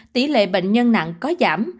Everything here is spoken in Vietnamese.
tỷ lệ bệnh nhân nặng có giảm